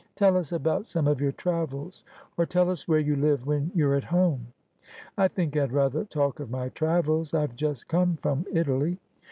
'Tell us about some of your travels, or tell us where you live when you're at home.' ' I think I'd rather talk of my travels. I've just come from Italy.'